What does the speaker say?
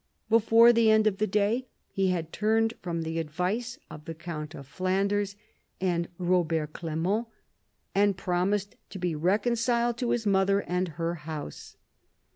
Before the end of the day he had turned from the advice of the count of Flanders and Robert Clement and promised to be reconciled to his mother and her house.